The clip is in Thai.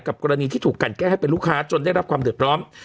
กรณีที่ถูกกันแก้ให้เป็นลูกค้าจนได้รับความเดือดร้อน